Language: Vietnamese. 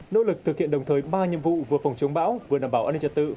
nỗ lực thực hiện đồng thời ba nhiệm vụ vừa phòng chống bão vừa đảm bảo an ninh trật tự